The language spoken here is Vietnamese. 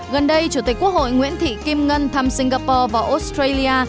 gần đây chủ tịch quốc hội nguyễn thị kim ngân thăm singapore và australia